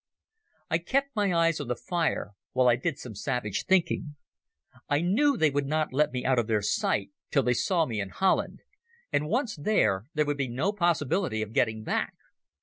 I kept my eyes on the fire, while I did some savage thinking. I knew they would not let me out of their sight till they saw me in Holland, and, once there, there would be no possibility of getting back.